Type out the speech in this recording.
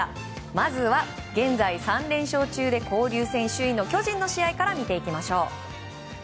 まずは、現在３連勝中で交流戦首位の巨人の試合から見ていきましょう。